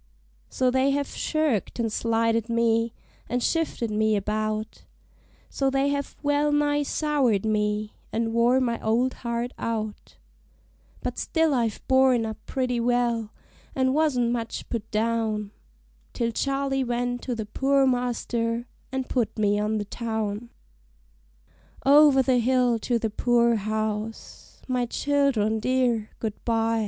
So they have shirked and slighted me, an' shifted me about So they have well nigh soured me, an' wore my old heart out; But still I've borne up pretty well, an' wasn't much put down, Till Charley went to the poor master, an' put me on the town. Over the hill to the poor house my child'rn dear, good by!